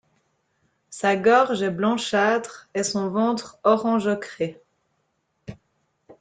Sa gorge est blanchâtre et son ventre orange ocré.